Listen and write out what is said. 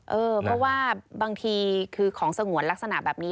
เพราะว่าบางทีคือของสงวนลักษณะแบบนี้